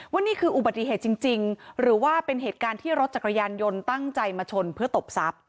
นี่คืออุบัติเหตุจริงหรือว่าเป็นเหตุการณ์ที่รถจักรยานยนต์ตั้งใจมาชนเพื่อตบทรัพย์